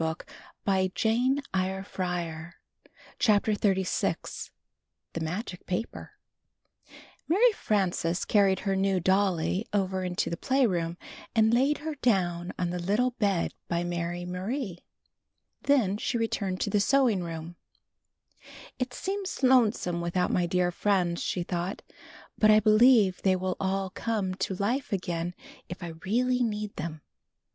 A'^^oinderliiil mtmito ARY FRANCES carried her new dolly over into the playroom and laid her dowTi on the little bed by Mary Marie. Then she returned to the sewing room. "It seems lonesome without my dear friends/' she thought, "but I believe they will all come to life again if I really need them.